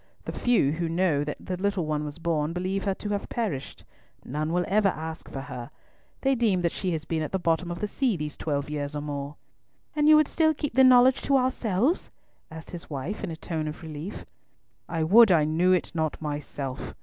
The few who know that the little one was born believe her to have perished. None will ever ask for her. They deem that she has been at the bottom of the sea these twelve years or more." "And you would still keep the knowledge to ourselves?" asked his wife, in a tone of relief. "I would I knew it not myself!"